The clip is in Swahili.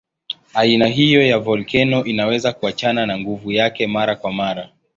Aina hiyo ya volkeno inaweza kuachana na nguvu yake mara kwa mara.